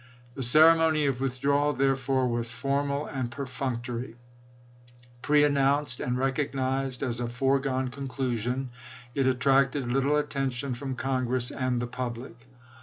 The ceremony of withdrawal, therefore, was formal and perfunctory; pre announced and recognized as a foregone conclusion, it attracted little atten tion from Congress and the public.